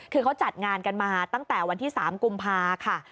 คือเขาจัดงานกันมาตั้งแต่วันที่๓กุมภาค่ะ